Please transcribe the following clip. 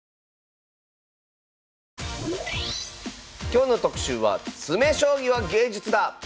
今日の特集は「詰将棋は芸術だ！」。